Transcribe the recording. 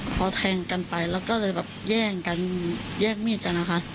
พอแทงกันไปแล้วก็เลยแบบแย่งกันแย่งมีดกันนะคะ